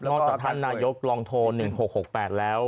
จากท่านนายกลองโทร๑๖๖๘แล้ว